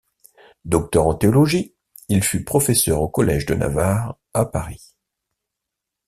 Docteur en théologie, il fut professeur au collège de Navarre, à Paris.